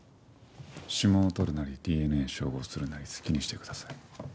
指紋を採るなりＤＮＡ照合するなり好きにしてください。